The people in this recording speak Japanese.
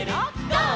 ゴー！」